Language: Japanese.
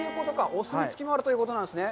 お墨つきもあるということなんですね。